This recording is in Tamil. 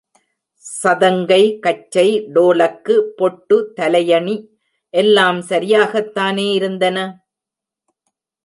சதங்கை, கச்சை, டோலக்கு, பொட்டு, தலையணி எல்லாம் சரியாகத்தானே இருந்தன?